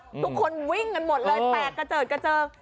ทุกคนวิ่งกันหมดเลยแตกเกือด